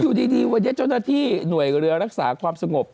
อยู่ดีวันนี้เจ้าหน้าที่หน่วยเรือรักษาความสงบ